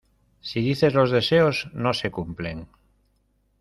si dices los deseos, no se cumplen.